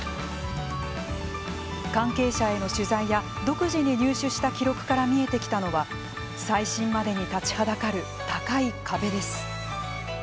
関係者への取材や独自に入手した記録から見えてきたのは再審までに立ちはだかる高い壁です。